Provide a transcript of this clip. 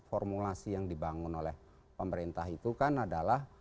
formulasi yang dibangun oleh pemerintah itu kan adalah